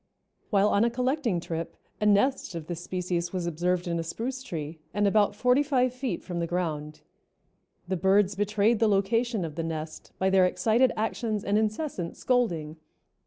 While on a collecting trip a nest of this species was observed in a spruce tree and about forty five feet from the ground. The birds betrayed the location of the nest by their excited actions and incessant scolding.